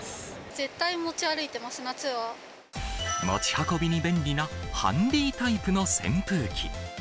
絶対に持ち歩いています、持ち運びに便利なハンディタイプの扇風機。